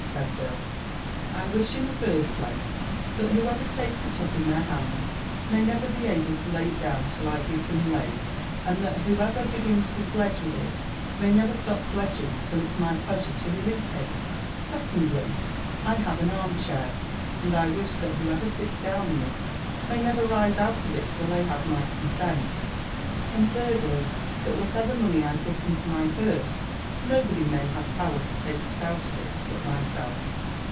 said Bill; "I wish, in the first place, that whoever takes it up in their hands may never be able to lay it down till I give them lave; and that whoever begins to sledge with it may never stop sledging till it's my pleasure to release him." "Secondly I have an arm chair, and I wish that whoever sits down in it may never rise out of it till they have my consent." "And, thirdly that whatever money I put into my purse, nobody may have power to take it out of it but myself!"